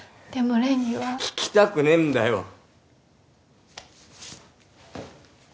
でも漣には聞きたくねえんだよ！